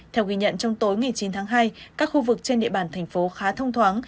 theo ghi nhận trong tối ngày chín tháng hai các khu vực trên địa bàn thành phố khá thông thoáng